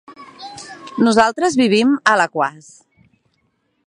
Nosaltres vivim a Alaquàs.